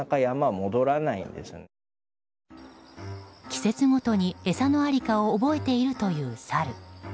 季節ごとに餌のありかを覚えているというサル。